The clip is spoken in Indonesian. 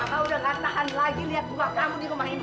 mama sudah tidak tahan lagi lihat rumah kamu di rumah ini